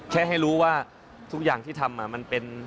ให้รู้ว่าทุกอย่างที่ทำมันเป็น